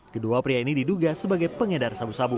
kedua pria ini diduga sebagai pengedar sabu sabu